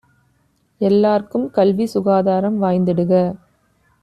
எல்லார்க்கும் கல்வி சுகாதாரம் வாய்ந்திடுக!